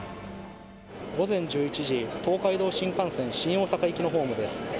午前１１時、東海道新幹線新大阪行きのホームです。